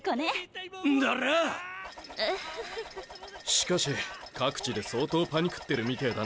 しかし各地で相当パニクってるみてぇだな。